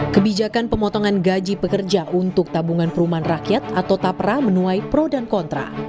kebijakan pemotongan gaji pekerja untuk tabungan perumahan rakyat atau tapra menuai pro dan kontra